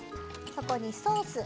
そこにソース。